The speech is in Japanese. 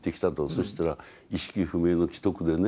そしたら意識不明の危篤でね